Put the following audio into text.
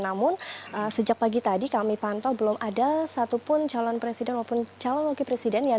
namun sejak pagi tadi kami pantau belum ada satupun calon presiden maupun calon wakil presiden